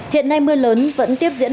hiện nay mưa lớn vẫn tiếp diễn